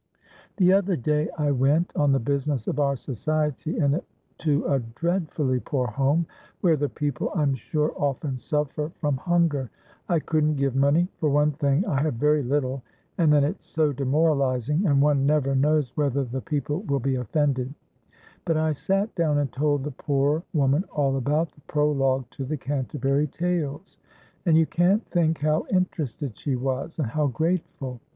The other day I went, on the business of our society, into a dreadfully poor home, where the people, I'm sure, often suffer from hunger. I couldn't give moneyfor one thing, I have very little, and then it's so demoralising, and one never knows whether the people will be offendedbut I sat down and told the poor woman all about the Prologue to the Canterbury Tales, and you can't think how interested she was, and how grateful!